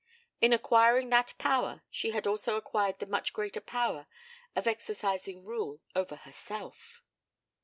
In acquiring that power she had also acquired the much greater power of exercising rule over herself.